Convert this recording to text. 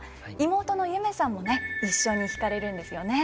妹の夢さんもね一緒に弾かれるんですよね。